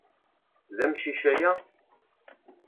D amcic aya?